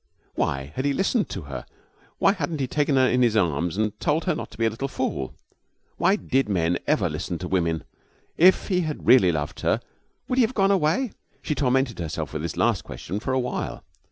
Why had he listened to her? Why hadn't he taken her in his arms and told her not to be a little fool? Why did men ever listen to women? If he had really loved her, would he have gone away? She tormented herself with this last question for a while.